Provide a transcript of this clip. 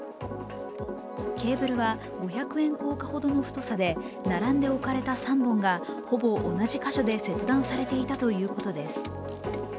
ケーブルは五百円硬貨ほどの太さで、並んで置かれた３本がほぼ同じ箇所で切断されていたということです。